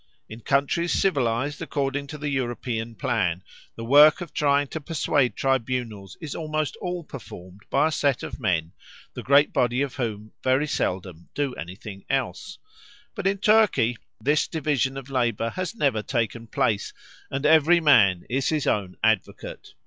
In countries civilised according to the European plan the work of trying to persuade tribunals is almost all performed by a set of men, the great body of whom very seldom do anything else; but in Turkey this division of labour has never taken place, and every man is his own advocate.